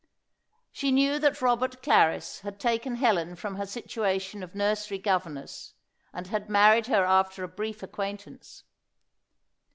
She knew that Robert Clarris had taken Helen from her situation of nursery governess, and had married her after a brief acquaintance.